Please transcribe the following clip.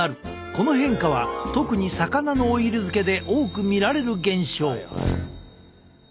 この変化は特に魚のオイル漬けで多く見られる現象。